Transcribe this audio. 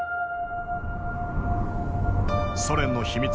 ソ連の秘密